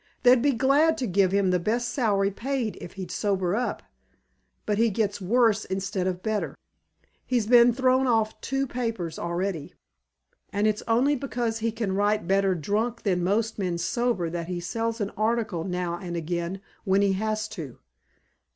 They'd be glad to give him the best salary paid if he'd sober up, but he gets worse instead of better. He's been thrown off two papers already; and it's only because he can write better drunk than most men sober that he sells an article now and again when he has to."